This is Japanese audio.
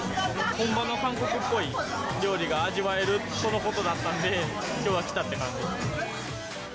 本場の韓国っぽい料理が味わえるっていうことだったんで、きょうは来たって感じ。